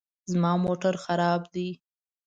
زما موټر خراب دی